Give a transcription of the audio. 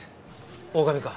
大上か。